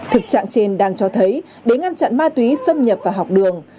thực trạng trên đang cho thấy để ngăn chặn ma túy xâm nhập vào học đường